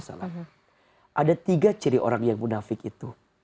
ada tiga ciri orang yang munafik itu